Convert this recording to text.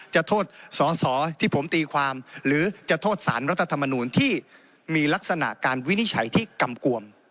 โทษสอสอที่ผมตีความหรือจะโทษสารรัฐธรรมนูลที่มีลักษณะการวินิจฉัยที่กำกวม